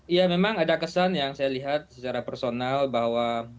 ya memang ada kesan yang saya lihat secara personal bahwa